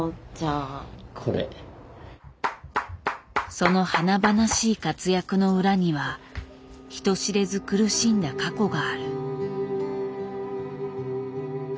その華々しい活躍の裏には人知れず苦しんだ過去がある。